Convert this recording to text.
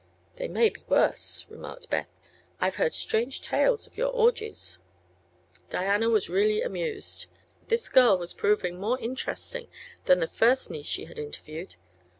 "They may be worse," remarked Beth. "I've heard strange tales of your orgies." Diana was really amused. This girl was proving more interesting than the first niece she had interviewed.